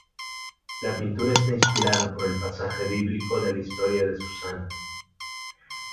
La pintura está inspirada por el pasaje bíblico de la historia de Susana.